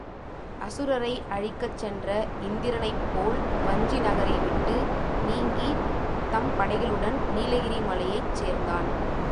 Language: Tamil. அசுரரை அழிக்கச் சென்ற இந்திரனைப் போல் வஞ்சி நகரை விட்டு நீங்கித் தம் படைகளுடன் நீலகிரி மலையைச் சேர்ந்தான்.